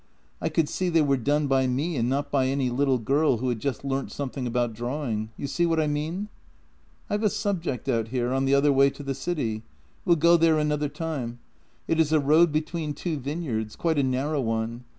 I could see they were done by me and not by any little girl who had just learnt something about drawing. You see what I mean? "I've a subject out here — on the other way to the city. We'll go there another time. It is a road between two vine yards — quite a narrow one.